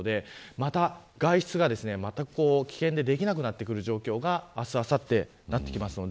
また外出が危険でできなくなってくる状況が明日、あさってなってきます。